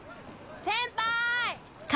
先輩！